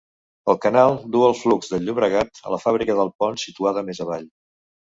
El canal duu el flux del Llobregat a la fàbrica del Pont, situada més avall.